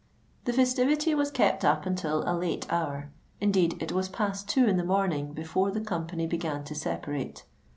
The festivity was kept up until a late hour: indeed it was past two in the morning before the company began to separate.